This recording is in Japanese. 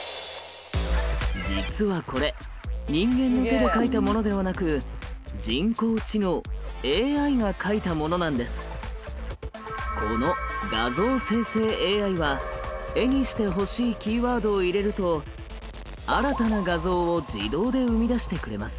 実はこれ人間の手で描いたものではなくこの画像生成ＡＩは絵にしてほしいキーワードを入れると新たな画像を自動で生み出してくれます。